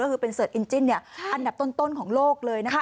ก็คือเป็นเสิร์ชอินจิ้นอันดับต้นของโลกเลยนะคะ